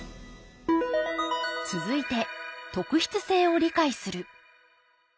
続いて「特筆性を理解する」。